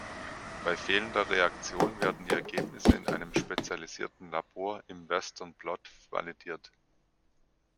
Bei fehlender Reaktion werden die Ergebnisse in einem spezialisierten Labor im Western Blot validiert.